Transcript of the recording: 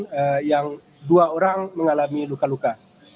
korban yang dua orang mengalami luka luka